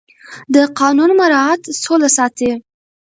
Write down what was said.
د قانون مراعت سوله ساتي